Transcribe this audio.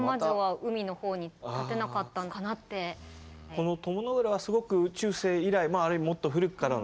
この鞆の浦はすごく中世以来あるいはもっと古くからのですね